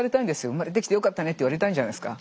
生まれてきてよかったねって言われたいんじゃないですか。